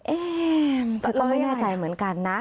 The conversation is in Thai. เอ๊ะเธอก็ไม่แน่ใจเหมือนกันนะ